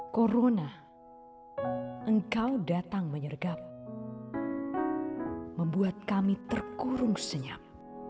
corona engkau datang menyergap membuat kami terkurung senyap